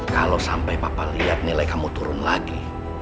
kalau sampai papa lihat nilai kamu turun lagi